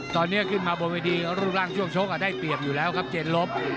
ตอนนี้ขึ้นมาบนเวทีรูปร่างช่วงชกได้เปรียบอยู่แล้วครับเจนลบ